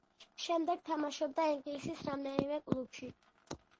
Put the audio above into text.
შემდეგ თამაშობდა ინგლისის რამდენიმე კლუბში.